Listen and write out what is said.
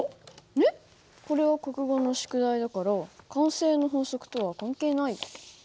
えっこれは国語の宿題だから慣性の法則とは関係ないよ。